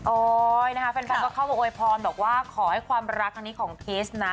โอ๊ยนะคะแฟนคลับก็เข้ามาโอยพรแบบว่าขอให้ความรักครั้งนี้ของเพชรนะ